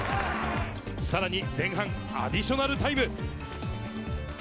さらに前半アディショナルタイム。